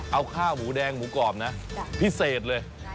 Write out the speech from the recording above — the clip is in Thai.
เอาข้าวหมูแดงหมูกรอบนะพิเศษเลย